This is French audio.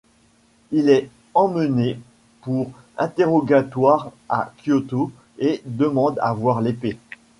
Il est emmené pour interrogatoire à Kyoto et demande à voir l'épée.